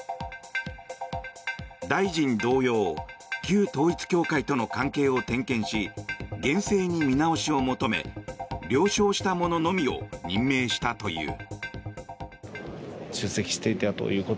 大臣同様、旧統一教会との関係を点検し厳正に見直しを求め了承した者のみを任命したという。